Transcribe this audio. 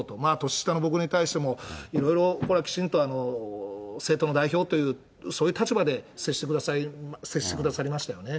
年下の僕に対しても、いろいろ、これはきちんと政党の代表という、そういう立場で接してくださりましたよね。